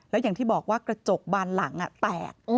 แล้วอย่างที่บอกว่ากระจกบานหลังแตก